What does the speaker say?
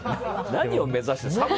何を目指してるの？